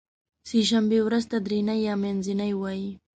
سې شنبې ورځې ته درینۍ یا منځنۍ وایی